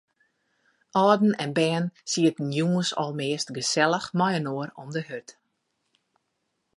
Alden en bern sieten jûns almeast gesellich mei-inoar om de hurd.